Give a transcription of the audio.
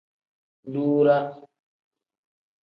Duuraa.